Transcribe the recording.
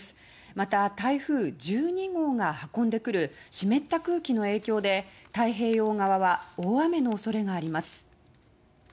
また台風１２号が運んでくる湿った空気の影響で太平洋側は大雨の恐れがあります。